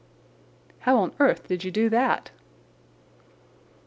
"How on earth did you do that?"